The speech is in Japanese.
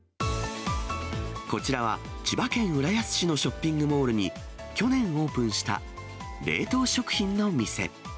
こちらは、千葉県浦安市のショッピングモールに、去年オープンした冷凍食品の店。